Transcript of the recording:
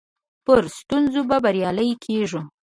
پر ستونزو به بريالي کيږو.